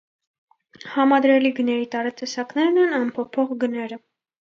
Համադրելի գների տարատեսակներն են անփոփոխ գները։